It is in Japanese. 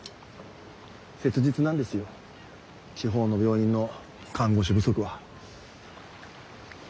切実なんですよ地方の病院の看護師不足は。